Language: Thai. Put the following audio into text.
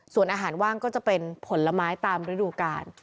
ส่วนอาหารว่างก็จะเป็นผลไม้ตามฤดูกาล